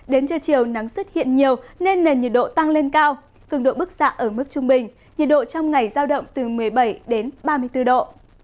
đến trưa chiều nắng xuất hiện nhiều nên nền nhiệt độ tăng lên cao cường độ bức xạ ở mức trung bình nhiệt độ trong ngày giao động từ một mươi bảy đến ba mươi bốn độ